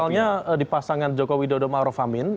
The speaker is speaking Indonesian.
misalnya di pasangan jokowi dodo maruf amin